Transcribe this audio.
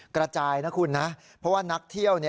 กระจายนะคุณนะเพราะว่านักเที่ยว